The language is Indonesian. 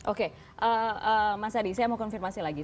oke mas adi saya mau konfirmasi lagi